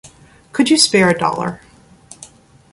Could you spare a dollar?